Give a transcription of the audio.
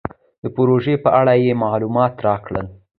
د پروژې په اړه یې مالومات راکړل.